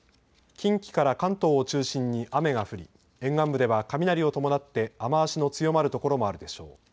近畿から関東を中心に雨が降り沿岸部では雷を伴って雨足の強まる所もあるでしょう。